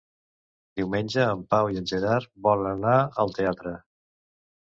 Diumenge en Pau i en Gerard volen anar al teatre.